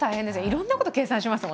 いろんなこと計算します